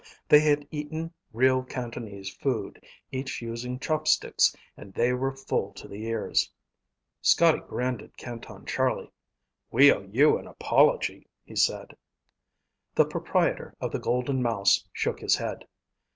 They had eaten real Cantonese food, each using chopsticks, and they were full to the ears. Scotty grinned at Canton Charlie. "We owe you an apology," he said. The proprietor of the Golden Mouse shook his head.